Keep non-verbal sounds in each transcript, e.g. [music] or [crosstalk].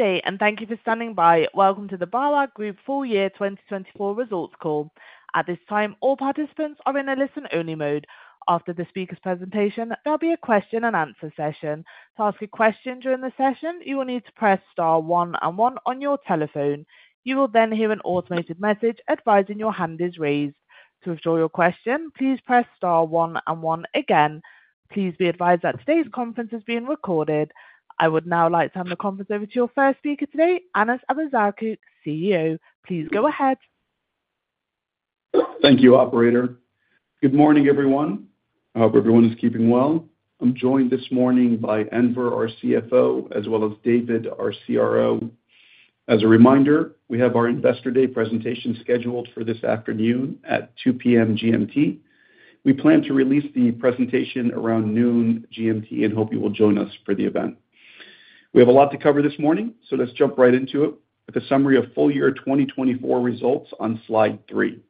Good day, and thank you for standing by. Welcome to the BAWAG Group Full Year 2024 Results Call. At this time, all participants are in a listen-only mode. After the speaker's presentation, there'll be a question-and-answer session. To ask a question during the session, you will need to press star one and one on your telephone. You will then hear an automated message advising your hand is raised. To withdraw your question, please press star one and one again. Please be advised that today's conference is being recorded. I would now like to hand the conference over to your first speaker today, Anas Abuzaakouk, CEO. Please go ahead. Thank you, Operator. Good morning, everyone. I hope everyone is keeping well. I'm joined this morning by Enver, our CFO, as well as David, our CRO. As a reminder, we have our Investor Day presentation scheduled for this afternoon at 2:00 P.M. GMT. We plan to release the presentation around noon GMT and hope you will join us for the event. We have a lot to cover this morning, so let's jump right into it with a summary of full year 2024 results on slide three.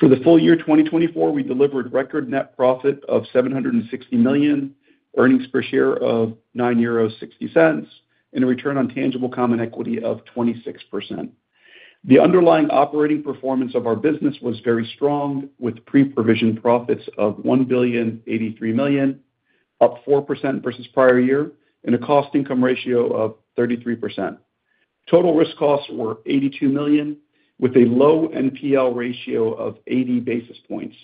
For the full year 2024, we delivered record net profit of €760 million, earnings per share of €9.60, and a return on tangible common equity of 26%. The underlying operating performance of our business was very strong, with pre-provision profits of €1.83 million, up 4% versus prior year, and a cost-to-income ratio of 33%. Total risk costs were €82 million, with a low NPL ratio of 80 basis points,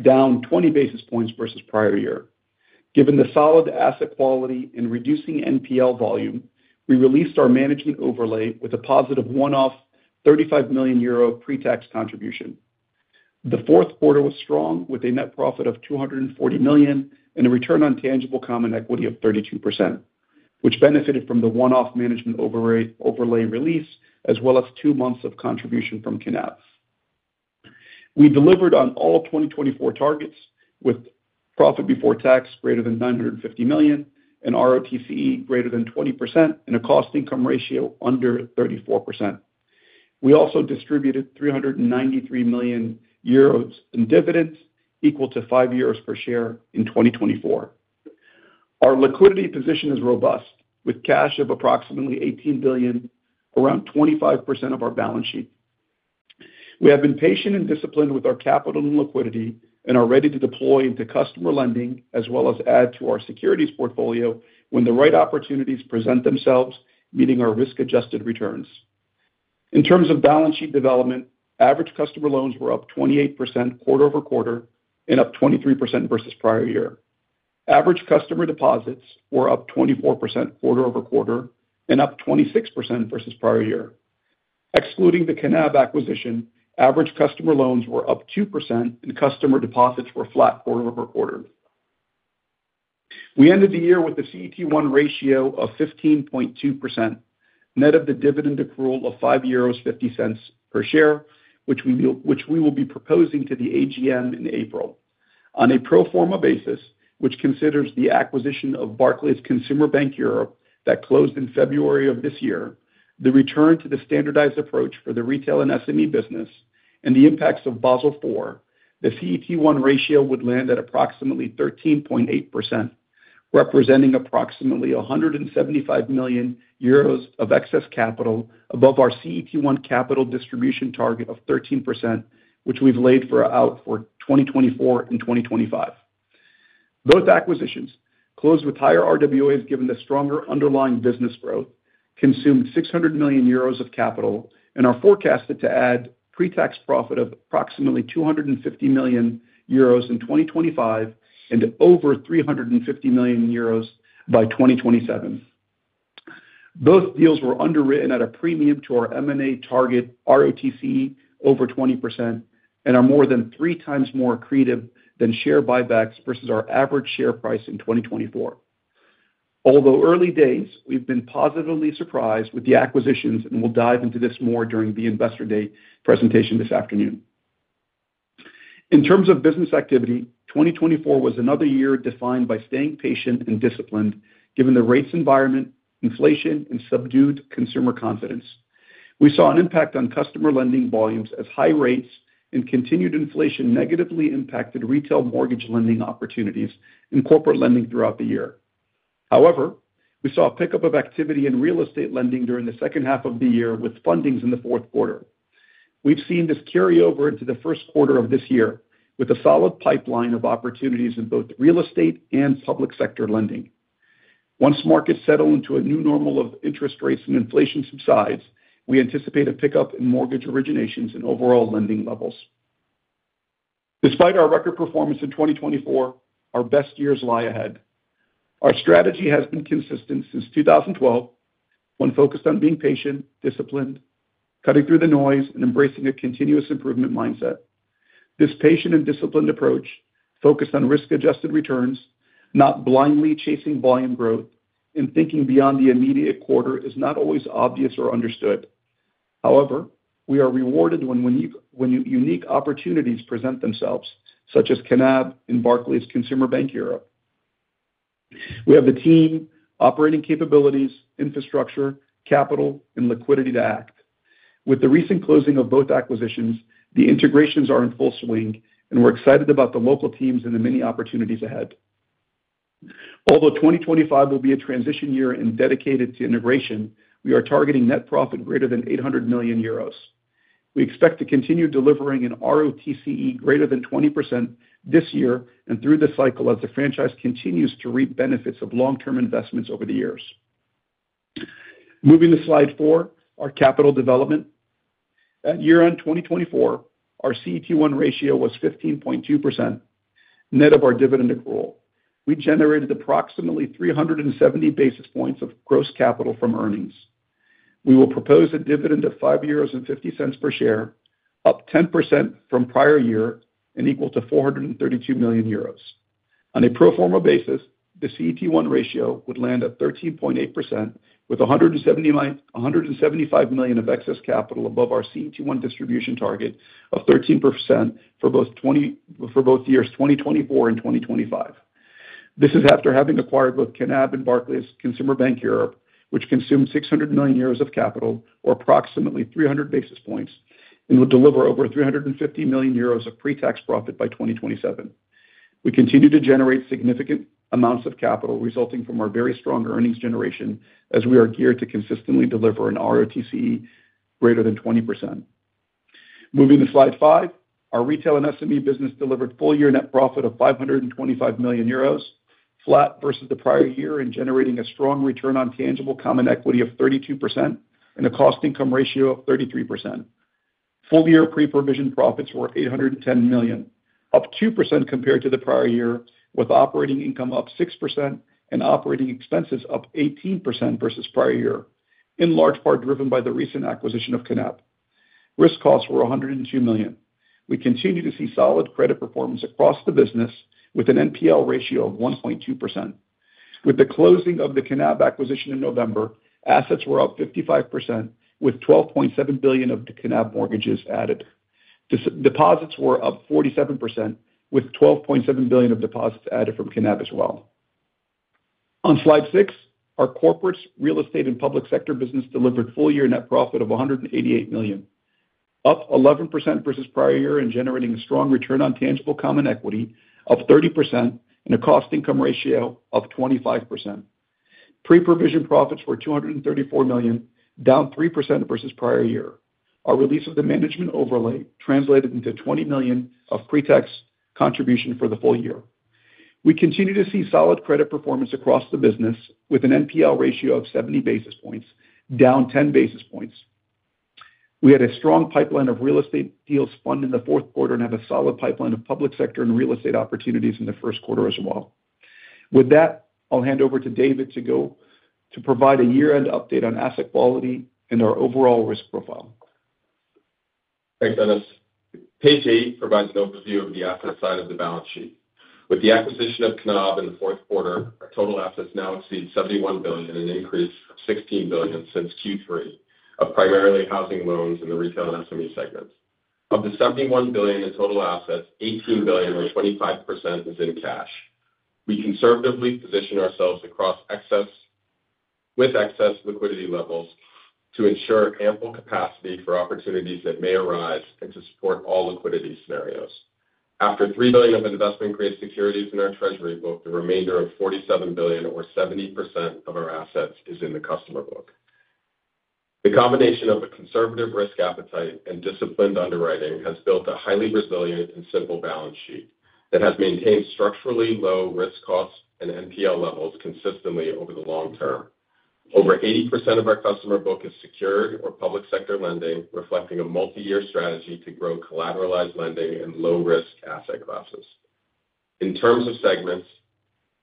down 20 basis points versus prior year. Given the solid asset quality and reducing NPL volume, we released our management overlay with a positive one-off €35 million pre-tax contribution. The fourth quarter was strong, with a net profit of €240 million and a return on tangible common equity of 32%, which benefited from the one-off management overlay release as well as two months of contribution from Knab. We delivered on all 2024 targets with profit before tax greater than €950 million, an ROTCE greater than 20%, and a cost-to-income ratio under 34%. We also distributed €393 million in dividends equal to €5 per share in 2024. Our liquidity position is robust, with cash of approximately €18 billion, around 25% of our balance sheet. We have been patient and disciplined with our capital and liquidity and are ready to deploy into customer lending as well as add to our securities portfolio when the right opportunities present themselves, meeting our risk-adjusted returns. In terms of balance sheet development, average customer loans were up 28% quarter over quarter and up 23% versus prior year. Average customer deposits were up 24% quarter over quarter and up 26% versus prior year. Excluding the Knab acquisition, average customer loans were up 2% and customer deposits were flat quarter over quarter. We ended the year with a CET1 ratio of 15.2%, net of the dividend accrual of €5.50 per share, which we will be proposing to the AGM in April. On a pro forma basis, which considers the acquisition of Barclays Consumer Bank Europe that closed in February of this year, the return to the standardized approach for the retail and SME business, and the impacts of Basel IV, the CET1 ratio would land at approximately 13.8%, representing approximately €175 million of excess capital above our CET1 capital distribution target of 13%, which we've laid out for 2024 and 2025. Both acquisitions, closed with higher RWAs given the stronger underlying business growth, consumed €600 million of capital and are forecasted to add pre-tax profit of approximately €250 million in 2025 and over €350 million by 2027. Both deals were underwritten at a premium to our M&A target ROTCE over 20% and are more than three times more accretive than share buybacks versus our average share price in 2024. Although early days, we've been positively surprised with the acquisitions and will dive into this more during the Investor Day presentation this afternoon. In terms of business activity, 2024 was another year defined by staying patient and disciplined given the rates environment, inflation, and subdued consumer confidence. We saw an impact on customer lending volumes as high rates and continued inflation negatively impacted retail mortgage lending opportunities and corporate lending throughout the year. However, we saw a pickup of activity in real estate lending during the second half of the year with fundings in the fourth quarter. We've seen this carry over into the first quarter of this year with a solid pipeline of opportunities in both real estate and public sector lending. Once markets settle into a new normal of interest rates and inflation subsides, we anticipate a pickup in mortgage originations and overall lending levels. Despite our record performance in 2024, our best years lie ahead. Our strategy has been consistent since 2012 when focused on being patient, disciplined, cutting through the noise, and embracing a continuous improvement mindset. This patient and disciplined approach, focused on risk-adjusted returns, not blindly chasing volume growth, and thinking beyond the immediate quarter is not always obvious or understood. However, we are rewarded when unique opportunities present themselves, such as Knab and Barclays Consumer Bank Europe. We have the team, operating capabilities, infrastructure, capital, and liquidity to act. With the recent closing of both acquisitions, the integrations are in full swing, and we're excited about the local teams and the many opportunities ahead. Although 2025 will be a transition year and dedicated to integration, we are targeting net profit greater than €800 million. We expect to continue delivering an ROTC greater than 20% this year and through the cycle as the franchise continues to reap benefits of long-term investments over the years. Moving to slide four, our capital development. At year-end 2024, our CET1 ratio was 15.2%, net of our dividend accrual. We generated approximately 370 basis points of gross capital from earnings. We will propose a dividend of €5.50 per share, up 10% from prior year and equal to €432 million. On a pro forma basis, the CET1 ratio would land at 13.8% with €175 million of excess capital above our CET1 distribution target of 13% for both years 2024 and 2025. This is after having acquired both Knab and Barclays Consumer Bank Europe, which consumed €600 million of capital, or approximately 300 basis points, and will deliver over €350 million of pre-tax profit by 2027. We continue to generate significant amounts of capital resulting from our very strong earnings generation as we are geared to consistently deliver an ROTC greater than 20%. Moving to slide five, our retail and SME business delivered full year net profit of 525 million euros, flat versus the prior year and generating a strong return on tangible common equity of 32% and a cost-to-income ratio of 33%. Full year pre-provision profits were 810 million, up 2% compared to the prior year, with operating income up 6% and operating expenses up 18% versus prior year, in large part driven by the recent acquisition of Knab. Risk costs were 102 million. We continue to see solid credit performance across the business with an NPL ratio of 1.2%. With the closing of the Knab acquisition in November, assets were up 55% with 12.7 billion of the Knab mortgages added. Deposits were up 47% with €12.7 billion of deposits added from Knab as well. On slide six, our commercial real estate and public sector business delivered full year net profit of €188 million, up 11% versus prior year and generating a strong return on tangible common equity of 30% and a cost-to-income ratio of 25%. Pre-provision profits were €234 million, down 3% versus prior year. Our release of the management overlay translated into €20 million of pre-tax contribution for the full year. We continue to see solid credit performance across the business with an NPL ratio of 70 basis points, down 10 basis points. We had a strong pipeline of real estate deals funded in the fourth quarter and have a solid pipeline of public sector and real estate opportunities in the first quarter as well. With that, I'll hand over to David to provide a year-end update on asset quality and our overall risk profile. Thanks, Anas. Page eight provides an overview of the asset side of the balance sheet. With the acquisition of Knab in the fourth quarter, our total assets now exceed €71 billion, an increase of €16 billion since Q3 of primarily housing loans in the retail and SME segments. Of the €71 billion in total assets, €18 billion, or 25%, is in cash. We conservatively position ourselves across excess with excess liquidity levels to ensure ample capacity for opportunities that may arise and to support all liquidity scenarios. After €3 billion of investment-grade securities in our treasury book, the remainder of €47 billion, or 70% of our assets, is in the customer book. The combination of a conservative risk appetite and disciplined underwriting has built a highly resilient and simple balance sheet that has maintained structurally low risk costs and NPL levels consistently over the long term. Over 80% of our customer book is secured or public sector lending, reflecting a multi-year strategy to grow collateralized lending and low-risk asset classes. In terms of segments,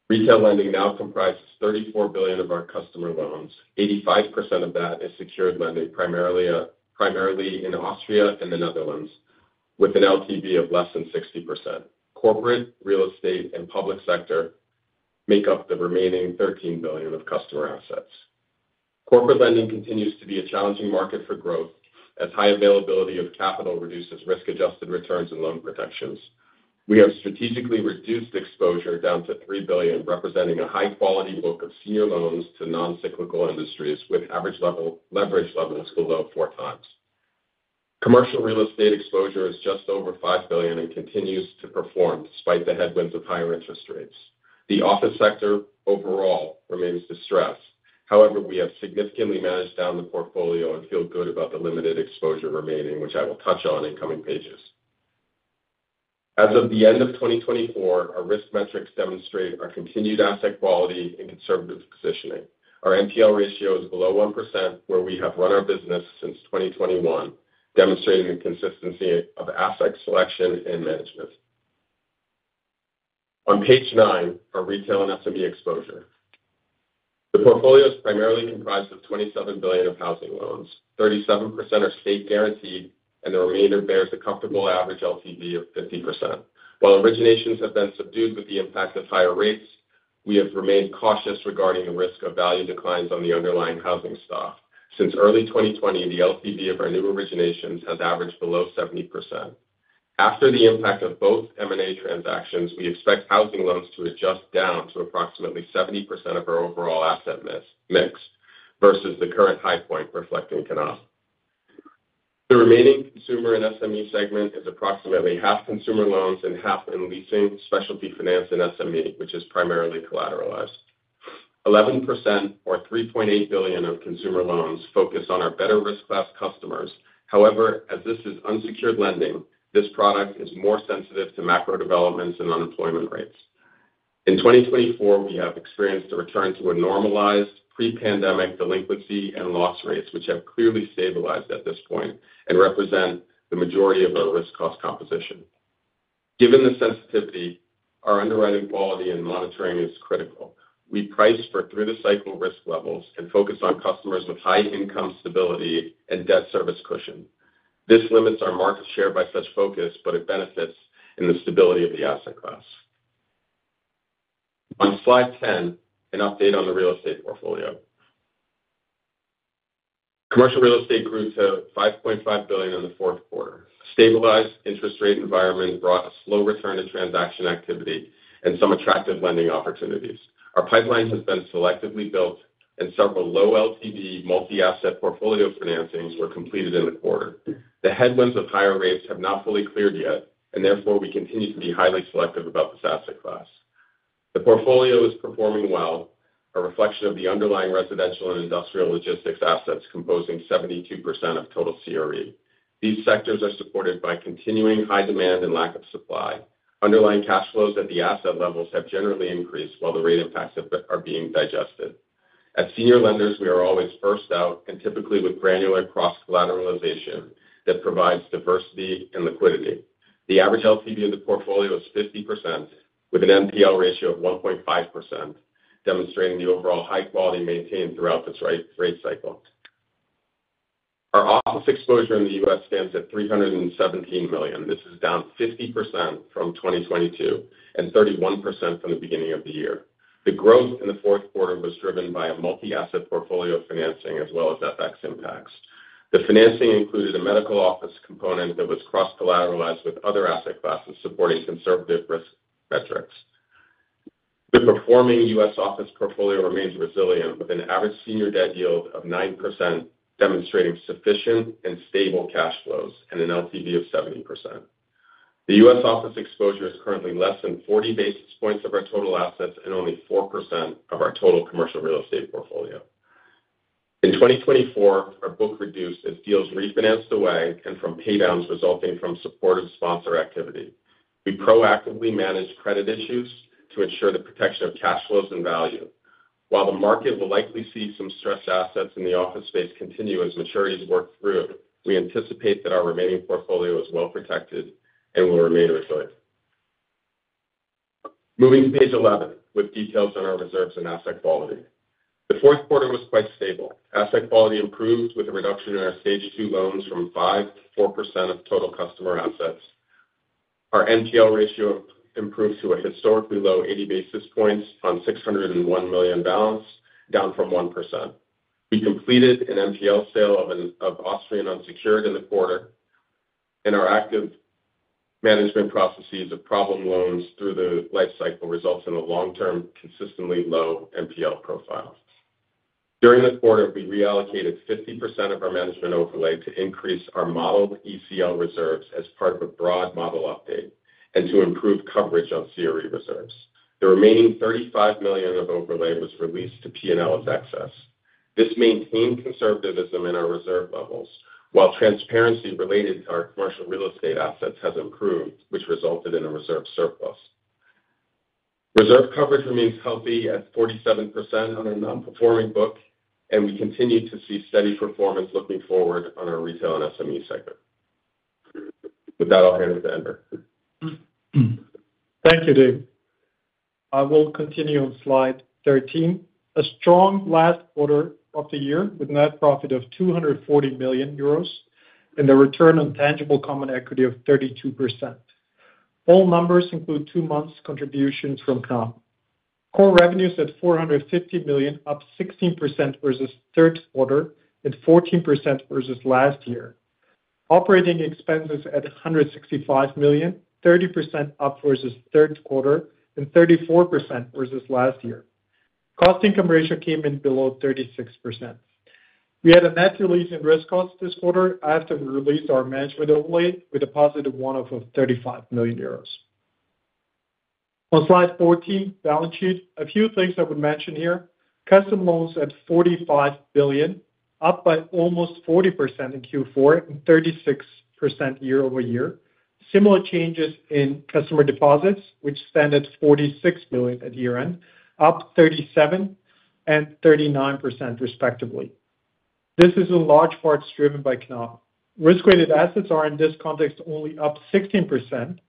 retail lending now comprises 34 billion of our customer loans. 85% of that is secured lending, primarily in Austria and the Netherlands, with an LTV of less than 60%. Corporate, real estate, and public sector make up the remaining 13 billion of customer assets. Corporate lending continues to be a challenging market for growth as high availability of capital reduces risk-adjusted returns and loan protections. We have strategically reduced exposure down to 3 billion, representing a high-quality book of senior loans to non-cyclical industries with average leverage levels below four times. Commercial real estate exposure is just over 5 billion and continues to perform despite the headwinds of higher interest rates. The office sector overall remains distressed. However, we have significantly managed down the portfolio and feel good about the limited exposure remaining, which I will touch on in coming pages. As of the end of 2024, our risk metrics demonstrate our continued asset quality and conservative positioning. Our NPL ratio is below 1%, where we have run our business since 2021, demonstrating the consistency of asset selection and management. On page nine, our retail and SME exposure. The portfolio is primarily comprised of 27 billion of housing loans. 37% are state-guaranteed, and the remainder bears a comfortable average LTV of 50%. While originations have been subdued with the impact of higher rates, we have remained cautious regarding the risk of value declines on the underlying housing stock. Since early 2020, the LTV of our new originations has averaged below 70%. After the impact of both M&A transactions, we expect housing loans to adjust down to approximately 70% of our overall asset mix versus the current high point reflecting Knab. The remaining consumer and SME segment is approximately half consumer loans and half in leasing, specialty finance, and SME, which is primarily collateralized. 11% or 3.8 billion of consumer loans focus on our better risk-class customers. However, as this is unsecured lending, this product is more sensitive to macro developments and unemployment rates. In 2024, we have experienced a return to a normalized pre-pandemic delinquency and loss rates, which have clearly stabilized at this point and represent the majority of our risk cost composition. Given the sensitivity, our underwriting quality and monitoring is critical. We price for through-the-cycle risk levels and focus on customers with high income stability and debt service cushion. This limits our market share by such focus, but it benefits in the stability of the asset class. On slide ten, an update on the real estate portfolio. Commercial real estate grew to 5.5 billion in the fourth quarter. Stabilized interest rate environment brought a slow return to transaction activity and some attractive lending opportunities. Our pipeline has been selectively built, and several low LTV multi-asset portfolio financings were completed in the quarter. The headwinds of higher rates have not fully cleared yet, and therefore we continue to be highly selective about this asset class. The portfolio is performing well, a reflection of the underlying residential and industrial logistics assets composing 72% of total CRE. These sectors are supported by continuing high demand and lack of supply. Underlying cash flows at the asset levels have generally increased while the rate impacts are being digested. As senior lenders, we are always first out and typically with granular cross-collateralization that provides diversity and liquidity. The average LTV of the portfolio is 50% with an NPL ratio of 1.5%, demonstrating the overall high quality maintained throughout this rate cycle. Our office exposure in the U.S. stands at 317 million. This is down 50% from 2022 and 31% from the beginning of the year. The growth in the fourth quarter was driven by a multi-asset portfolio financing as well as FX impacts. The financing included a medical office component that was cross-collateralized with other asset classes supporting conservative risk metrics. The performing U.S. office portfolio remains resilient with an average senior debt yield of 9%, demonstrating sufficient and stable cash flows and an LTV of 70%. The U.S. Office exposure is currently less than 40 basis points of our total assets and only 4% of our total commercial real estate portfolio. In 2024, our book reduced as deals refinanced away and from paydowns resulting from supportive sponsor activity. We proactively managed credit issues to ensure the protection of cash flows and value. While the market will likely see some stressed assets in the office space continue as maturities work through, we anticipate that our remaining portfolio is well protected and will remain resilient. Moving to page 11 with details on our reserves and asset quality. The fourth quarter was quite stable. Asset quality improved with a reduction in our stage two loans from 5% to 4% of total customer assets. Our NPL ratio improved to a historically low 80 basis points on 601 million balance, down from 1%. We completed an NPL sale of Austrian unsecured in the quarter, and our active management processes of problem loans through the life cycle result in a long-term consistently low NPL profile. During the quarter, we reallocated 50% of our management overlay to increase our modeled ECL reserves as part of a broad model update and to improve coverage on CRE reserves. The remaining 35 million of overlay was released to P&L as excess. This maintained conservatism in our reserve levels, while transparency related to our commercial real estate assets has improved, which resulted in a reserve surplus. Reserve coverage remains healthy at 47% on our non-performing book, and we continue to see steady performance looking forward on our retail and SME segment. With that, I'll hand it to Enver. Thank you, David. I will continue on slide 13. A strong last quarter of the year with a net profit of €240 million and a return on tangible common equity of 32%. All numbers include two months' contributions from KNAB. Core revenues at €450 million, up 16% versus third quarter and 14% versus last year. Operating expenses at €165 million, 30% up versus third quarter and 34% versus last year. Cost-to-income ratio came in below 36%. We had a net release in risk costs this quarter after we released our management overlay with a positive one-off of €35 million. On slide 14, balance sheet, a few things I would mention here. Customer loans at €45 billion, up by almost 40% in Q4 and 36% year over year. Similar changes in customer deposits, which stand at €46 billion at year-end, up 37% and 39% respectively. This is in large parts driven by Knab. Risk-weighted assets are in this context only up 16%,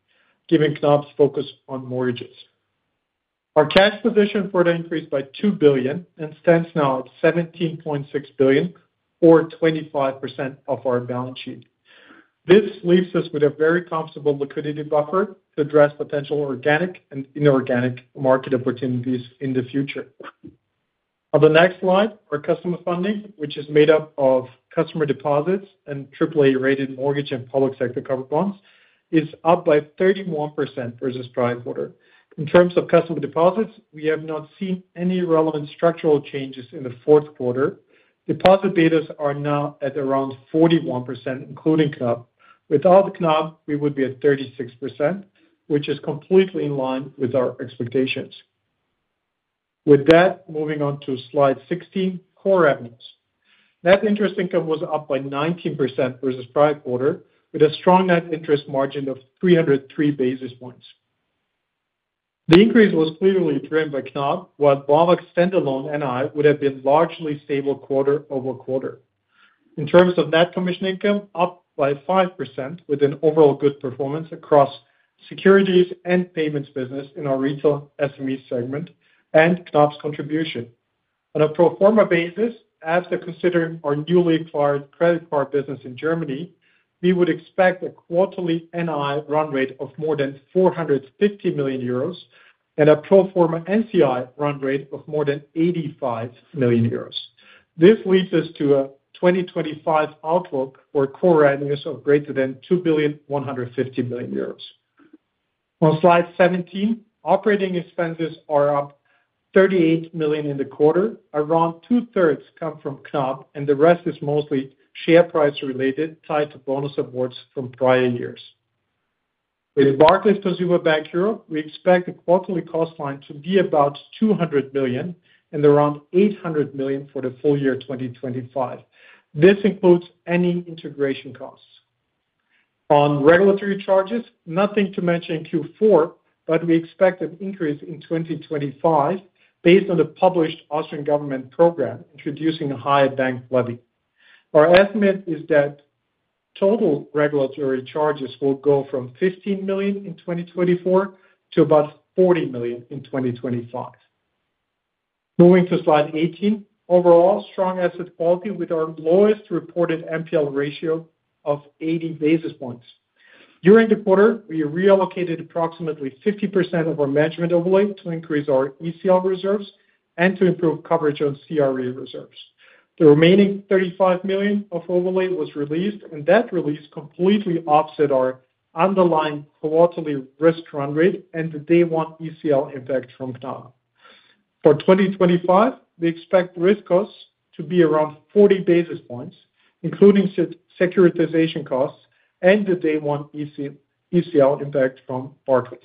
given Knab's focus on mortgages. Our cash position further increased by 2 billion and stands now at 17.6 billion, or 25% of our balance sheet. This leaves us with a very comfortable liquidity buffer to address potential organic and inorganic market opportunities in the future. On the next slide, our customer funding, which is made up of customer deposits and AAA-rated mortgage and public sector covered bonds, is up by 31% versus prior quarter. In terms of customer deposits, we have not seen any relevant structural changes in the fourth quarter. Deposit betas are now at around 41%, including Knab. Without Knab, we would be at 36%, which is completely in line with our expectations. With that, moving on to slide 16, core revenues. Net interest income was up by 19% versus prior quarter, with a strong net interest margin of 303 basis points. The increase was clearly driven by Knab, while BAWAG standalone NII would have been largely stable quarter over quarter. In terms of net commission income, up by 5% with an overall good performance across securities and payments business in our retail SME segment and Knab's contribution. On a pro forma basis, as they're considering our newly acquired credit card business in Germany, we would expect a quarterly NII run rate of more than 450 million euros and a pro forma NCI run rate of more than 85 million euros. This leads us to a 2025 outlook for core revenues of greater than 2,150 million euros. On slide 17, operating expenses are up 38 million in the quarter. Around two-thirds come from Knab, and the rest is mostly share price related, tied to bonus awards from prior years. With BAWAG, we expect the quarterly cost line to be about €200 million and around €800 million for the full year 2025. This includes any integration costs. On regulatory charges, nothing to mention Q4, but we expect an increase in 2025 based on the published Austrian government program introducing a higher bank levy. Our estimate is that total regulatory charges will go from €15 million in 2024 to about €40 million in 2025. Moving to slide 18, overall strong asset quality with our lowest reported NPL ratio of 80 basis points. During the quarter, we reallocated approximately 50% of our management overlay to increase our ECL reserves and to improve coverage on CRE reserves. The remaining 35 million of overlay was released, and that release completely offset our underlying quarterly risk run rate and the Day-One ECL impact from KNAB. For 2025, we expect risk costs to be around 40 basis points, including securitization costs and the Day-One ECL impact from BAWAG.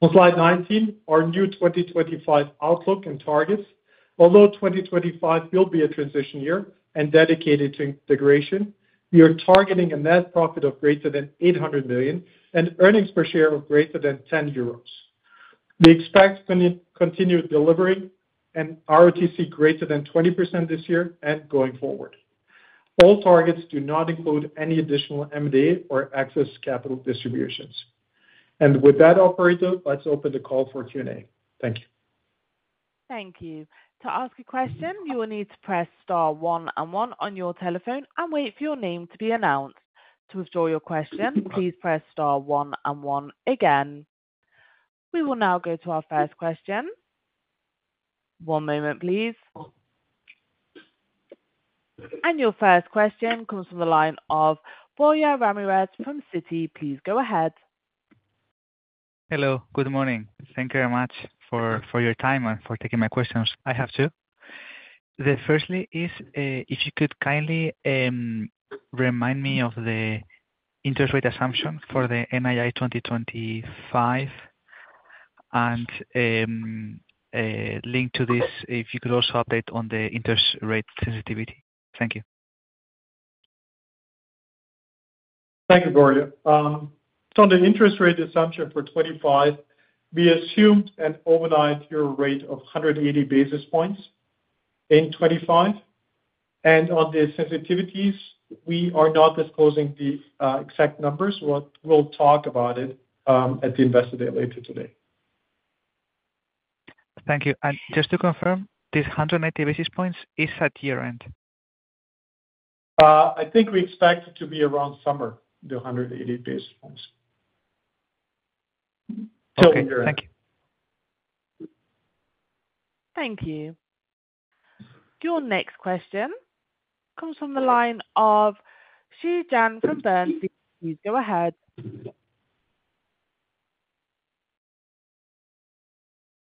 On slide 19, our new 2025 outlook and targets. Although 2025 will be a transition year and dedicated to integration, we are targeting a net profit of greater than 800 million and earnings per share of greater than 10 euros. We expect continued delivery and ROTC greater than 20% this year and going forward. All targets do not include any additional M&A or excess capital distributions. And with that, operator, let's open the call for Q&A. Thank you. Thank you. To ask a question, you will need to press star one and one on your telephone and wait for your name to be announced. To withdraw your question, please press star one and one again. We will now go to our first question. One moment, please. And your first question comes from the line of Goya Ramirez from Citi. Please go ahead. Hello, good morning. Thank you very much for your time and for taking my questions. I have two. The first is if you could kindly remind me of the interest rate assumption for the NII 2025 and link to this if you could also update on the interest rate sensitivity. Thank you. Thank you, Goya. So on the interest rate assumption for 25, we assumed an overnight year rate of 180 basis points in 25. And on the sensitivities, we are not disclosing the exact numbers, but we'll talk about it at the investor day later today. Thank you. And just to confirm, this 180 basis points is at year-end? I think we expect it to be around summer, the 180 basis points. Okay, thank you. Thank you. Your next question comes from the line of Suzanne from Bernstein. Please go ahead.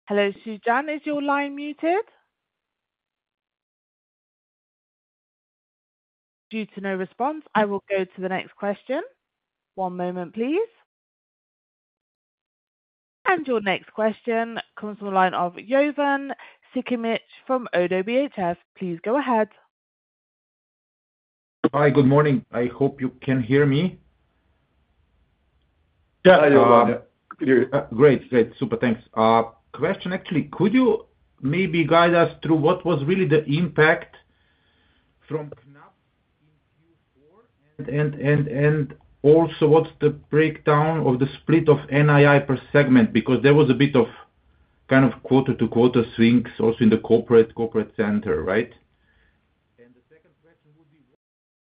Hello, Suzanne. Is your line muted? Due to no response, I will go to the next question. One moment, please. And your next question comes from the line of Jovan Sikic from ODDO BHF. Please go ahead. Hi, good morning. I hope you can hear me. Yeah, yeah, yeah. Great, great. Super, thanks. Question, actually, could you maybe guide us through what was really the impact from KNAB in Q4 and also what's the breakdown of the split of NII per segment? Because there was a bit of kind of quarter-to-quarter swings also in the corporate center, right? And the second question would be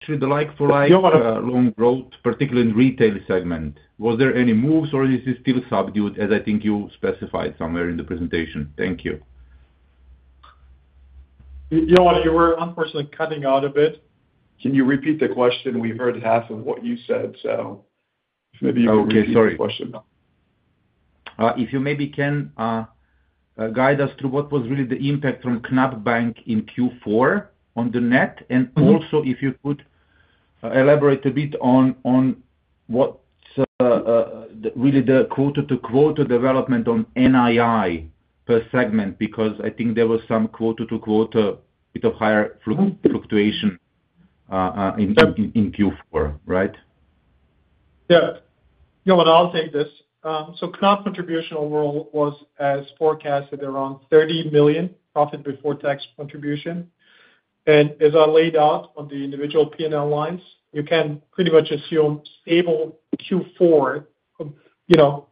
actually the like-for-like loan growth, particularly in the retail segment. Was there any moves, or is it still subdued, as I think you specified somewhere in the presentation? Thank you. Jovan, you were unfortunately cutting out a bit. Can you repeat the question? We heard half of what you said, so maybe you can repeat the question. Okay, sorry. If you maybe can guide us through what was really the impact from Knab in Q4 on the net, and also if you could elaborate a bit on what's really the quarter-to-quarter development on NII per segment, because I think there was some quarter-to-quarter bit of higher fluctuation in Q4, right? Yeah. Jovan, I'll take this. So Knab contribution overall was, as forecasted, around 30 million profit before tax contribution. And as I laid out on the individual P&L lines, you can pretty much assume stable Q4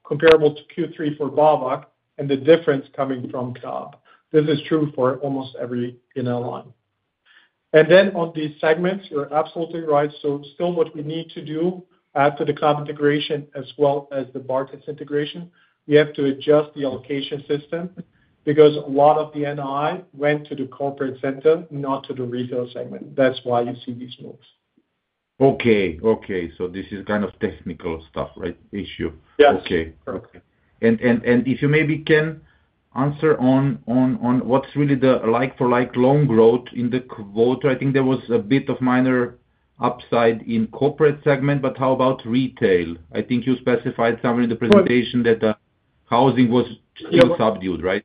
comparable to Q3 for BAWAG and the difference coming from Knab. This is true for almost every P&L line. And then on the segments, you're absolutely right. So still what we need to do after the Knab integration as well as the BAWAG integration, we have to adjust the allocation system because a lot of the NII went to the corporate center, not to the retail segment. That's why you see these moves. Okay, okay. So this is kind of technical stuff, right? Issue. Yes. Okay. And if you maybe can answer on what's really the like-for-like loan growth in the quarter, I think there was a bit of minor upside in the corporate segment, but how about retail? I think you specified somewhere in the presentation that housing was still subdued, right?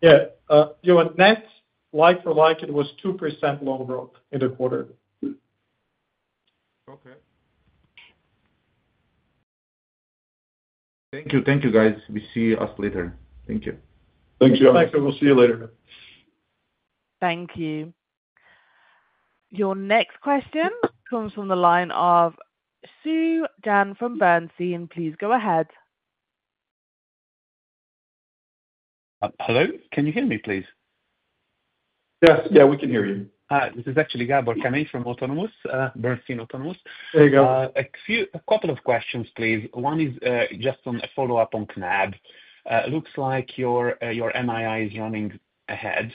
Yeah. Jovan, net like-for-like, it was 2% loan growth in the quarter. Okay. Thank you. Thank you, guys. We'll see you later. Thank you. Thanks, Jovan. We'll see you later. Thank you. Your next question comes from the line of Gabor Kemeny from Autonomous Research, and please go ahead. Hello. Can you hear me, please? Yes. Yeah, we can hear you. This is actually Gabor Kemeny from Autonomous Research. There you go. A couple of questions, please. One is just on a follow-up on Knab. It looks like your NII is running ahead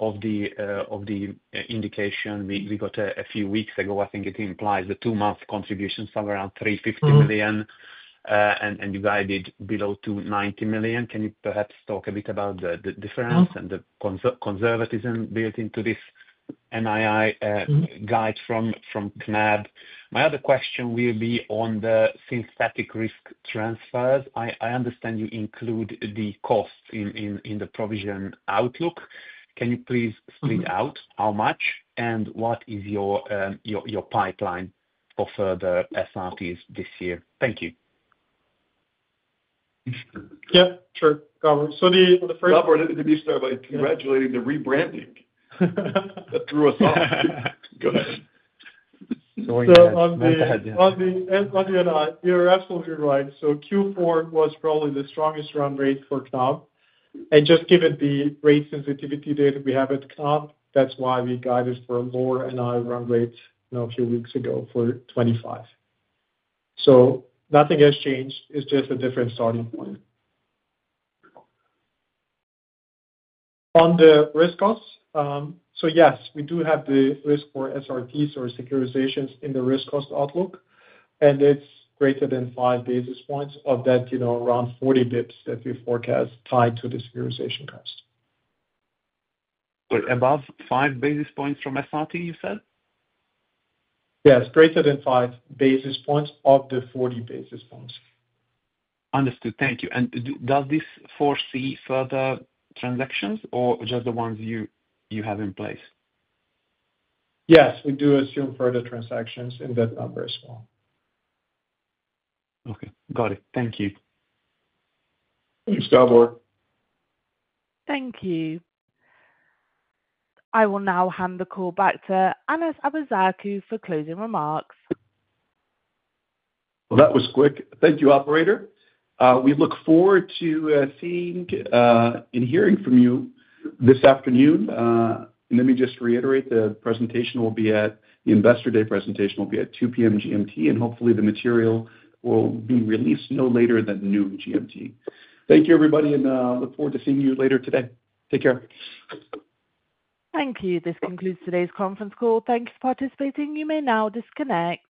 of the indication we got a few weeks ago. I think it implies the two-month contribution is somewhere around 350 million, and you guided below to 90 million. Can you perhaps talk a bit about the difference and the conservatism built into this NII guide from Knab? My other question will be on the synthetic risk transfers. I understand you include the costs in the provision outlook. Can you please split out how much and what is your pipeline for further SRTs this year? Thank you. Yeah, sure. So the first. Gabor, let me start by congratulating the rebranding [crosstalk] that threw us off. Go ahead. [crosstalk] So on the NII, you're absolutely right. So Q4 was probably the strongest run rate for Knab. And just given the rate sensitivity data we have at Knab, that's why we guided for a lower NII run rate a few weeks ago for 2025. So nothing has changed. It's just a different starting point. On the risk costs, so yes, we do have the risk for SRTs or securitizations in the risk cost outlook, and it's greater than five basis points, of that around 40 basis points that we forecast tied to the securitization cost. Above five basis points from SRT, you said? Yes, greater than five basis points of the 40 basis points. Understood. Thank you. And does this foresee further transactions or just the ones you have in place? Yes, we do assume further transactions in that number as well. Okay. Got it. Thank you. Thanks, Gabor. Thank you. I will now hand the call back to Anas Abuzaakouk for closing remarks. That was quick. Thank you, operator. We look forward to seeing and hearing from you this afternoon. Let me just reiterate the investor day presentation will be at 2:00 P.M. GMT, and hopefully the material will be released no later than noon GMT. Thank you, everybody, and look forward to seeing you later today. Take care. Thank you. This concludes today's conference call. Thank you for participating. You may now disconnect.